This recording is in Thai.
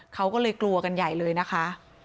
เขาก็เลยกลัวกันใหญ่เลยนะคะ